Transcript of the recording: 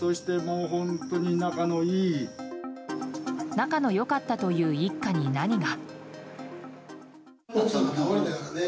仲の良かったという一家に何が。